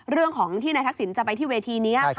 เรื่องของที่นายทักษิณจะไปที่เวทีนี้